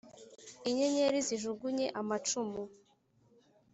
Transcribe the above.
inyenyeri zijugunye amacumu,